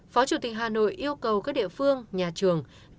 phó chủ tịch hà nội yêu cầu các địa phương nhà trường